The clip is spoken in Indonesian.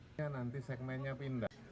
dan akurasi yang